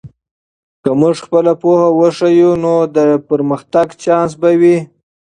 که موږ خپله پوهه وښیو، نو د پرمختګ چانس به وي.